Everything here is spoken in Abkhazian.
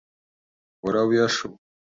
Уара уиашоуп.